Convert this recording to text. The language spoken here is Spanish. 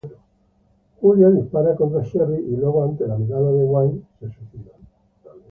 Julia dispara contra Sherry y luego ante la mirada de Wayne se suicida.